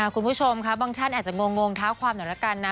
คุณผู้ชมครับบางท่านอาจจะงงท้าวความหนักกันนะ